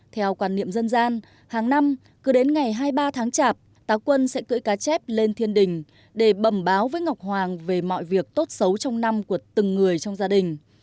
theo quan niệm dân gian hàng năm cứ đến ngày hai mươi ba tháng chạp táo quân sẽ cưỡi cá chép lên thiên đình để bẩm báo với ngọc hoàng về mọi việc tốt xấu trong năm của từng người trong gia đình